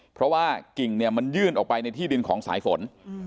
เพราะว่ากิ่งเนี่ยมันยื่นออกไปในที่ดินของสายฝน